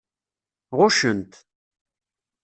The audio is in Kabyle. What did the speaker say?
Ɣuccen-t.